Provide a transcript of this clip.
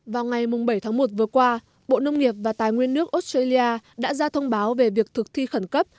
vào ngày bảy tháng một vừa qua bộ nông nghiệp và tài nguyên nước australia đã ra thông báo về việc thực thi khẩn cấp